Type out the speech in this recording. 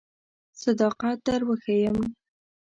صداقت در وښیم.